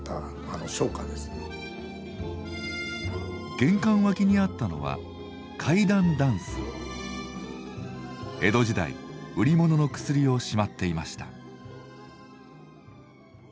玄関脇にあったのは江戸時代売り物の薬をしまっていました。